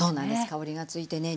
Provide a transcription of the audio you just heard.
香りが付いてね